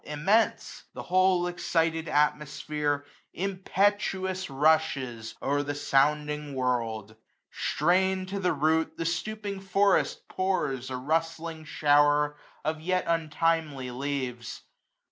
Immense ! the whole excited atmosphere Impetuous rushes o*er the sounding world ; Strain'd to the root, the stopping forest pours 320 A rustling shower of yet untimely leaves.